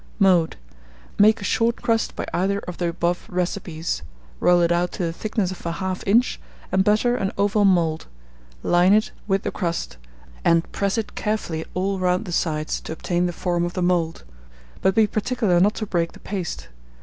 Mode. Make a short crust by either of the above recipes; roll it out to the thickness of 1/2 inch, and butter an oval mould; line it with the crust, and press it carefully all round the sides, to obtain the form of the mould, but be particular not to break the paste.